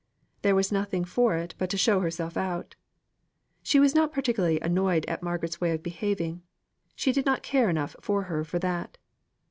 There was nothing for it but to show herself out. She was not particularly annoyed at Margaret's way of behaving. She did not care enough for her for that.